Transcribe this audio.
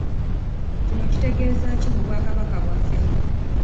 Kino kitegeeza ki mu Bwakabaka bwaffe?